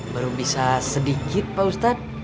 baru bisa sedikit pak ustadz